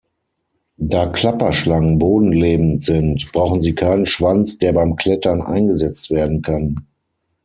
Da Klapperschlangen bodenlebend sind, brauchen sie keinen Schwanz, der beim Klettern eingesetzt werden kann.